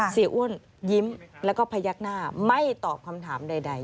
อ้วนยิ้มแล้วก็พยักหน้าไม่ตอบคำถามใด